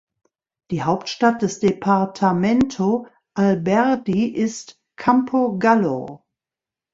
Die Hauptstadt des Departamento Alberdi ist Campo Gallo.